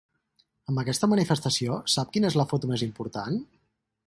Amb aquesta manifestació, sap quina és la foto més important?